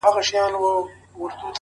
زه چي دېرش رنځه د قرآن و سېپارو ته سپارم